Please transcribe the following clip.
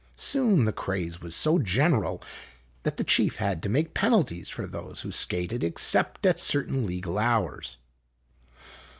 Soon the craze was so general that the chief had to make penalties for those who skated except at certain legal hours.